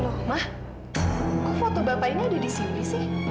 loh mah kok foto bapak ini ada di sini sih